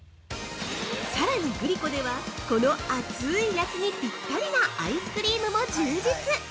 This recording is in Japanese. さらに、グリコではこの暑い夏にピッタリなアイスクリームも充実！